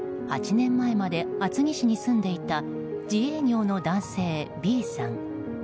８年前まで厚木市に住んでいた自営業の男性Ｂさん。